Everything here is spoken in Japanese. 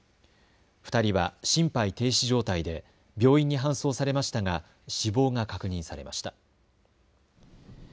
２人は心肺停止状態で病院に搬送されましたが死亡が確認されました。